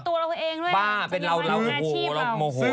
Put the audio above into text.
คิดตัวเราเองด้วยนะจะมีวัยลงแนวอาชีพเหรอบ้าเป็นเราโอ้โหเราโมโหตายเลย